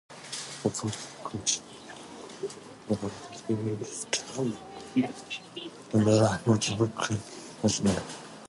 The first collections were released under the motto "Chic Nationale".